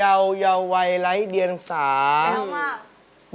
แล้วไม่ให้ใครแก้ด้วยจบด้วย